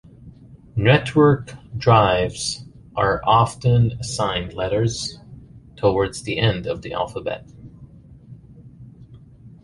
Network drives are often assigned letters towards the end of the alphabet.